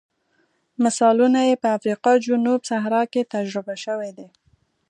مثالونه یې په افریقا جنوب صحرا کې تجربه شوي دي.